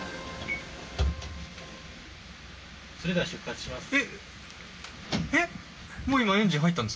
それでは出発します。